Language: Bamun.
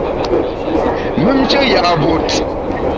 Mümnshe ya’ vot.